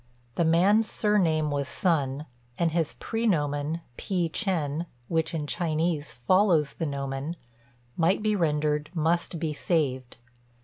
The man's surname was Sun, and his prænomen, Pi chên, (which in Chinese follows the nomen) might be rendered "Must be saved."